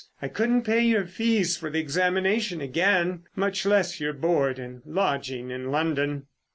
I couldn't pay your fees for the examination again, much less your board and lodging in London."